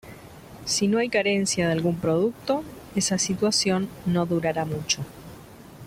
Si no hay carencia de algún producto, esa situación no durará mucho.